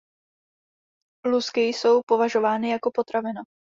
Lusky jsou používány jako potravina.